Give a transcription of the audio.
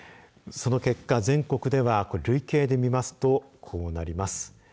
その結果、全国では累計で見るとこうなります。